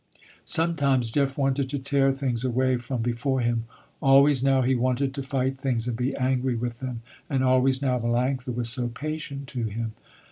Sometimes Jeff wanted to tear things away from before him, always now he wanted to fight things and be angry with them, and always now Melanctha was so patient to him.